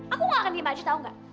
aku nggak akan diimajin tau nggak